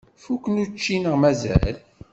Fukken učči neɣ mazal?